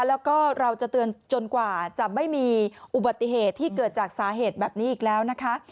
แล้วก็เราจะเตือนจนกว่าจะไม่มีอุบัติเหตุที่เกิดจากสาเหตุแบบนี้อีกแล้วนะคะ